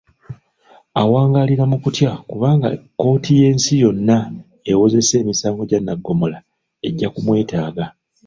Awangaalira mu kutya kubanga kkooti y'ensi yonna ewozesa emisango gya Nnagomola ejja kumwetaaga